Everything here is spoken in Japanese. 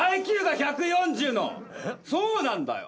そうなんだよ。